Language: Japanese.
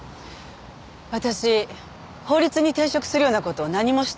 私法律に抵触するような事は何もしてないけど。